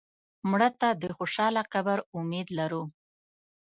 مړه ته د خوشاله قبر امید لرو